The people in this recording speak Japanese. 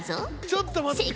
ちょっと待って。